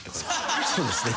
そうですね。